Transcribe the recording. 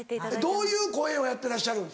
どういう声をやってらっしゃるんですか？